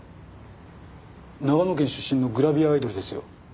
長野県出身のグラビアアイドルですよ。